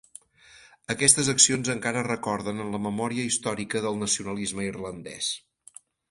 Aquestes accions encara es recorden en la memòria històrica del nacionalisme irlandès.